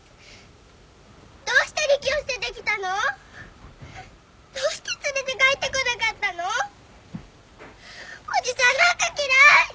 どうしてリキを捨ててきたの⁉どうして連れて帰ってこなかったの⁉おじさんなんか嫌い！